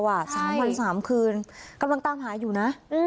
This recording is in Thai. ๓วัน๓คืนกำลังตามหาอยู่นะ